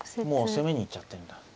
もう攻めに行っちゃってんだ。